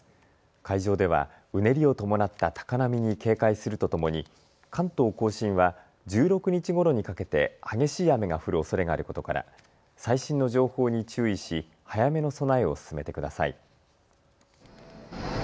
海上ではうねりを伴った高波に警戒するとともに関東甲信は１６日ごろにかけて激しい雨が降るおそれがあることから最新の情報に注意し早めの備えを進めてください。